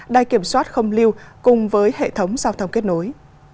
đai kiểm soát không lưu cùng với hệ thống giao thông kết nối